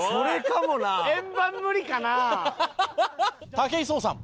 武井壮さん